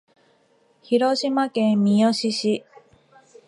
広島県三次市